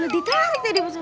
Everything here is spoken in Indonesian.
ditarik tadi mas